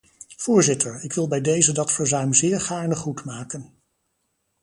Voorzitter, ik wil bij deze dat verzuim zeer gaarne goedmaken.